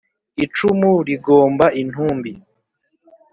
icumu rigornba intumbi